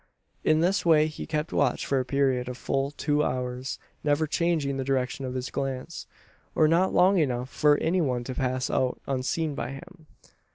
In this way he kept watch for a period of full two hours; never changing the direction of his glance; or not long enough for any one to pass out unseen by him.